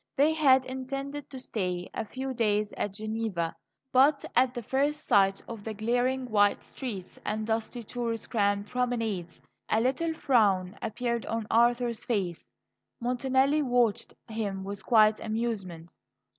They had intended to stay a few days at Geneva; but at the first sight of the glaring white streets and dusty, tourist crammed promenades, a little frown appeared on Arthur's face. Montanelli watched him with quiet amusement.